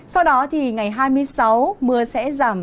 sau đó thì ngày hai mươi sáu mưa sẽ giảm